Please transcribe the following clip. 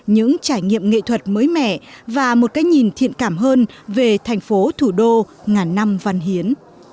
những trải nghiệm nghệ thuật mới mẻ và một cái nhìn thiện cảm hơn về thành phố thủ đô ngàn năm văn hiến